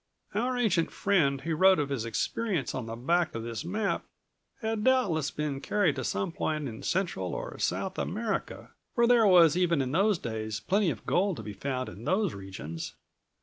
"Our ancient friend who wrote of his experiences on the back of this map had doubtless been carried to some point in Central or South America, for there was, even in those days, plenty of gold to be found in those regions."